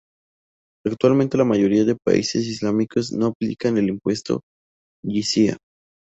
Actualmente la mayoría de países islámicos no aplican el impuesto yizia.